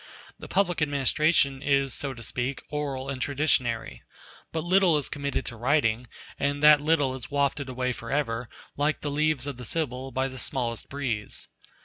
The public administration is, so to speak, oral and traditionary. But little is committed to writing, and that little is wafted away forever, like the leaves of the Sibyl, by the smallest breeze.